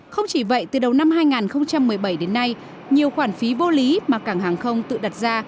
không chỉ vậy từ đầu năm hai nghìn một mươi bảy đến nay nhiều khoản phí vô lý mà cảng hàng không tự đặt ra